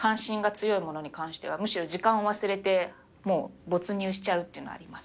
関心が強いものにはむしろ時間を忘れて、もう没入しちゃうっていうのはあります。